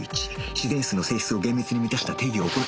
自然数の性質を厳密に満たした定義をウッ！